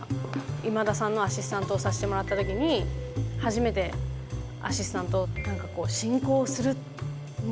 今田さんのアシスタントをさしてもらった時に初めてアシスタントをなんかこう「進行をするんだ。